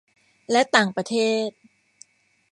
และต่างประเทศ